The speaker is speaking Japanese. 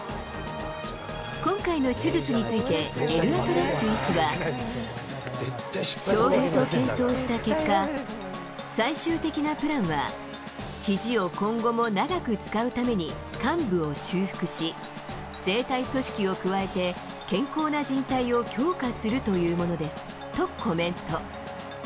今回の手術について、翔平と検討した結果、最終的なプランは、ひじを今後も長く使うために患部を修復し、生体組織を加えて、健康なじん帯を強化するというものですとコメント。